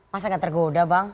masa tidak tergoda bang